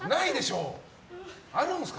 あるんですか。